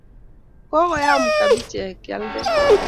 Kokoyem kabijek kealda